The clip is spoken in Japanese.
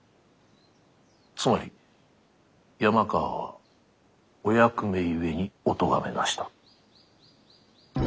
つまり山川はお役目ゆえにお咎めなしと？